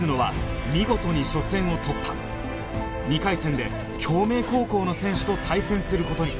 ２回戦で京明高校の選手と対戦する事に